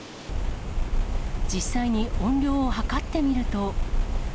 実際に音量を測ってみると。